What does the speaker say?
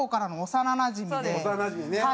幼なじみね。